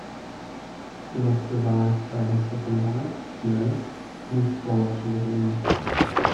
He was survived by his second wife, Mary, and his four children.